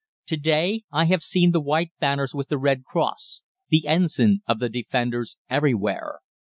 "To day I have seen the white banners with the red cross the ensign of the Defenders everywhere.